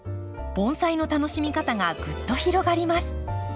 盆栽の楽しみ方がぐっと広がります。